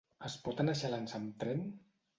Es pot anar a Xalans amb tren?